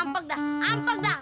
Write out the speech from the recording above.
ampeg dah ampeg dah